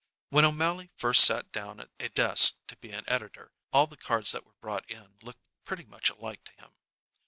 When O'Mally first sat down at a desk to be an editor, all the cards that were brought in looked pretty much alike to him.